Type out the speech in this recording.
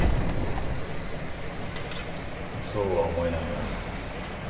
そうは思えないが。